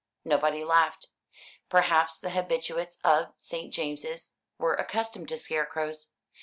Nobody laughed. Perhaps the habitués of St. James's were accustomed to scarecrows.